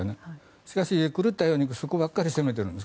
しかし、狂ったようにそこばかり攻めているんです。